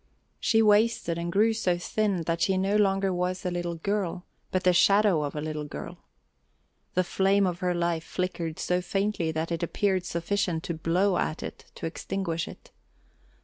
She wasted and grew so thin that she no longer was a little girl, but the shadow of a little girl. The flame of her life flickered so faintly that it appeared sufficient to blow at it to extinguish it.